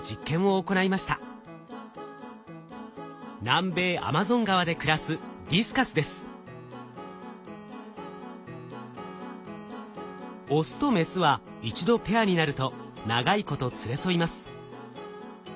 南米アマゾン川で暮らすオスとメスは一度ペアになると長いこと連れ添います。